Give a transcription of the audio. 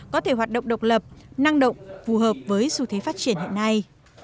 có thể hoạt động độc lập năng động phù hợp với xu thế phát triển hiện nay